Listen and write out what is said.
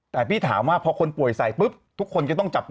แต่พี่ถามว่าพอคนป่วยใส่ปุ๊บทุกคนก็ต้องจับ